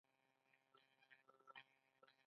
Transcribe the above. د چرګ جنګول منع دي